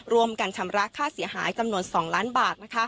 ร่วมกันชำระค่าเสียหายจำนวน๒ล้านบาท